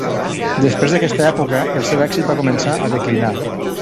Després d'aquesta època, el seu èxit va començar a declinar.